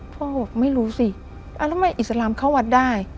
พ่อว่าไม่รู้สิมายอิสระามเข้าวัดได้